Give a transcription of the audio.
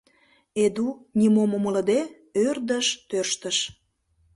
Эду, нимом умылыде, ӧрдыж тӧрштыш.